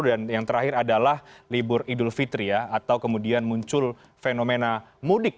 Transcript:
dan yang terakhir adalah libur idul fitri atau kemudian muncul fenomena mudik